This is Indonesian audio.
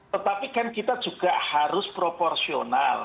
tetapi kan kita juga harus proporsional